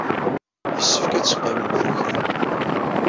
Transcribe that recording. Yessefk ad teqqimem tukim.